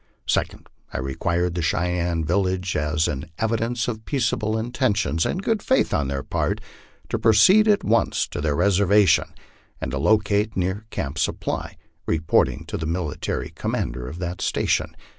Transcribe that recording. Second, I required the Cheyenne village, as an evidence of peaceable intentions and good faith on their part, to proceed at once to their reservation, and to locate near Camp Supply, reporting to the military commander at that station.